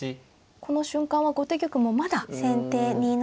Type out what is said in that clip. この瞬間は後手玉もまだ少し余裕が。